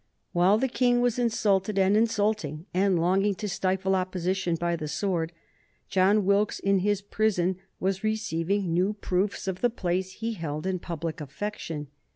While the King was insulted and insulting, and longing to stifle opposition by the sword, John Wilkes in his prison was receiving new proofs of the place he held in public affection.